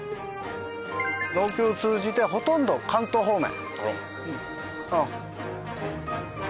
農協を通じてほとんど関東方面。